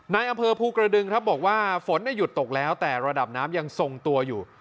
ในอำเภอภูกระดึงครับบอกว่าฝนหยุดตกแล้วแต่ระดับน้ำยังทรงตัวอยู่